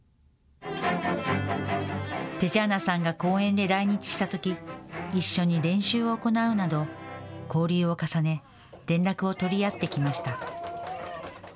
テチャーナさんが公演で来日したとき、一緒に練習を行うなど、交流を重ね、連絡を取り合ってきました。